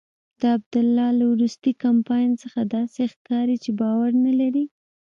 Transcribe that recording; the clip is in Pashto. د عبدالله له وروستي کمپاین څخه داسې ښکاري چې باور نلري.